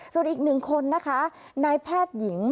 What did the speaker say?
ส่วนอีกหนึ่งคนนะคะนายแพทย์หญิง